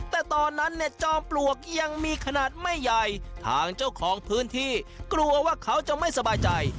แต่ตอนนั้นเนี่ยจอมปลวกยังมีขนาดไม่ใหญ่ทางเจ้าของพื้นที่กลัวว่าเขาจะไม่สบายใจ